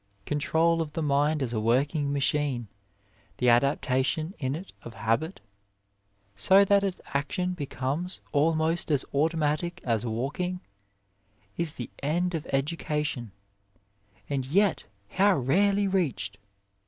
Control of the mind as a working machine, the adaptation in it of habit, so that its action becomes almost as automatic as walking, is the end of education and yet how rarely reached